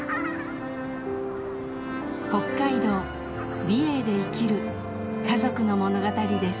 北海道・美瑛で生きる家族の物語です。